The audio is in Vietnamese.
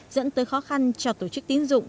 dẫn tới khó khăn cho tổ chức tín dụng